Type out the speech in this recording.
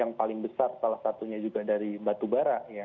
yang paling besar salah satunya juga dari batubara